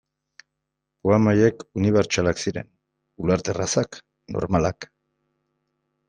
Poema haiek unibertsalak ziren, ulerterrazak, normalak.